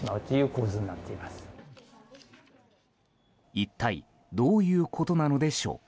一体どういうことなのでしょうか。